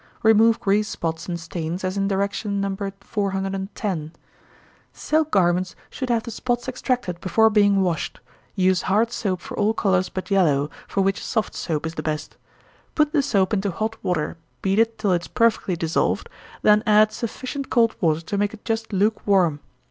Remove grease spots and stains as in direction No. 410. Silk garments should have the spots extracted before being washed use hard soap for all colors but yellow, for which soft soap is the best. Put the soap into hot water, beat it till it is perfectly dissolved, then add sufficient cold water to make it just lukewarm.